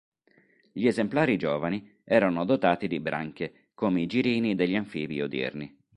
Gli esemplari giovani erano dotati di branchie, come i girini degli anfibi odierni.